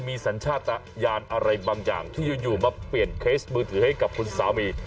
มีสัญชาติยานอะไรบางอย่างที่อยู่มาเปลี่ยนเคสมือถือให้กับคุณสามี